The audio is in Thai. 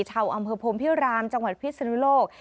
เฉาอำเภอพรมพิรามจังหวัดพิษภูมิโลก